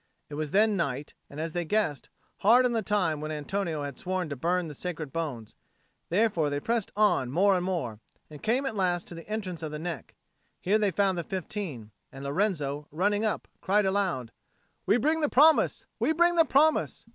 It was then night, and, as they guessed, hard on the time when Antonio had sworn to burn the sacred bones; therefore they pressed on more and more, and came at last to the entrance of the neck. Here they found the fifteen, and Lorenzo, running up, cried aloud, "We bring the promise, we bring the promise!"